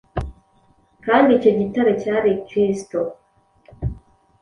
kandi icyo gitare cyari kristo.